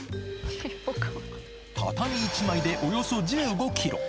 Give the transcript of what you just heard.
畳１枚でおよそ１５キロ。